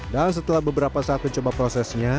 dan setelah beberapa saat mencoba prosesnya